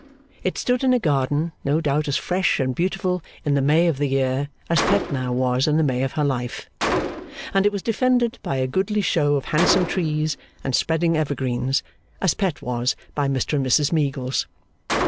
It stood in a garden, no doubt as fresh and beautiful in the May of the Year as Pet now was in the May of her life; and it was defended by a goodly show of handsome trees and spreading evergreens, as Pet was by Mr and Mrs Meagles.